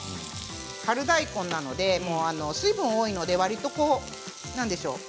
春大根なので水分が多いのでわりとなんでしょうか。